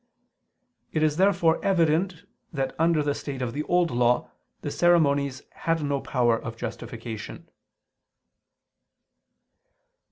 It is therefore evident that under the state of the Old Law the ceremonies had no power of justification.